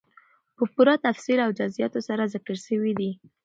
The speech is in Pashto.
په پوره تفصيل او جزئياتو سره ذکر سوي دي،